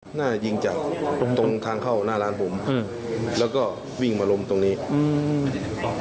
หน้ายิงจากตรงตรงทางเข้าหน้าร้านผมอืมแล้วก็วิ่งมาลงตรงนี้อืม